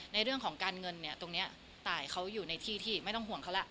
ในเรื่องของการเงินเนี่ยตรงนี้ตายเขาอยู่ในที่ที่ไม่ต้องห่วงเขาแล้ว